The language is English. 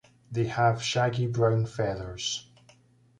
They have shaggy brown feathers.